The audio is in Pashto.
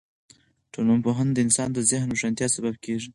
ټولنپوهنه د انسان د ذهن د روښانتیا سبب کیږي.